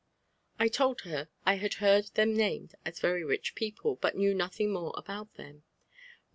I told her I bad heard them named as very rich people, but knew nothing more about them.